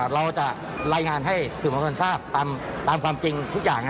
เราจะไล่งานให้ถึงบันทนทราบตามความจริงทุกอย่าง